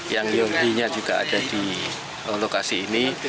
yang yogi nya juga ada di lokasi ini